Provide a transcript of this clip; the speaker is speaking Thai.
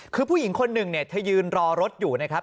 คือผู้หญิงคนหนึ่งเนี่ยเธอยืนรอรถอยู่นะครับ